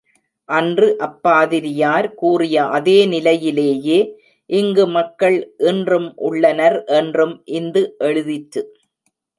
அன்று அப்பாதிரியார் கூறிய அதே நிலையிலேயே இங்கு மக்கள் இன்றும் உள்ளனர் என்றும் இந்து எழுதிற்று.